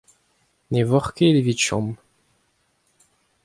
ne voc'h ket evit chom.